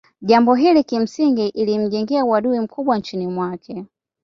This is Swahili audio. Jambo hili kimsingi ilimjengea uadui mkubwa nchini mwake